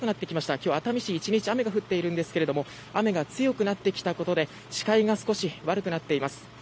今日、熱海市は１日雨が降っているんですけど雨が強くなってきたところで視界が少し悪くなっています。